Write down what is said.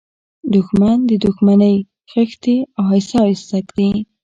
دښمن د دښمنۍ خښتې آهسته آهسته ږدي